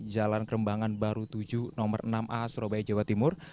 jalan kerembangan baru tujuh nomor enam a surabaya jawa timur